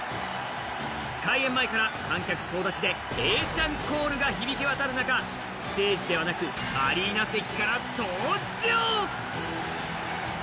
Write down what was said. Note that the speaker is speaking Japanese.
開演前から観客総立ちで永ちゃんコールが響き渡る中ステージではなく、アリーナ席から登場。